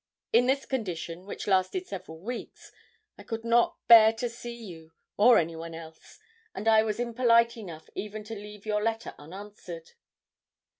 In this condition, which lasted several weeks, I could not bear to see you or anyone else, and I was impolite enough even to leave your letter unanswered.